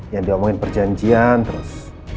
yang diomongin perjanjian terus